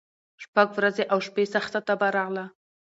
شپږ ورځي او شپي سخته تبه راغله